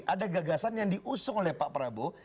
ada gagasan yang diusung oleh pak prabowo